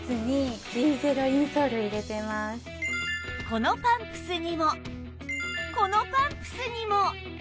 このパンプスにもこのパンプスにも！